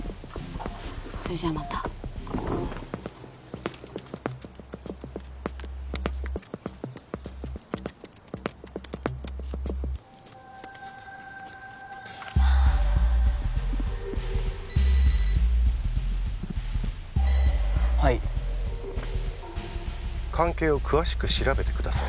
それじゃまたはい関係を詳しく調べてください